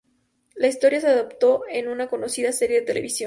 La historia se adoptó en una conocida serie de televisión.